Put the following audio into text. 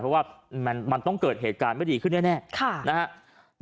เพราะมันเกิดเหตุการณ์ไม่ดีขึ้นแล้วแน่